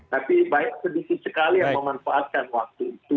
tapi banyak sedikit sekali yang memanfaatkan waktu itu